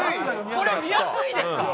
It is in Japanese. これ見やすいですか？